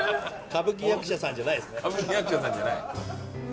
歌舞伎役者さんじゃない。